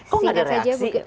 kok nggak ada reaksi